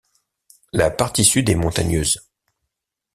La partie sud est montagneuse.